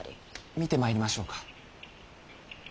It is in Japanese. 見てまいりましょうか？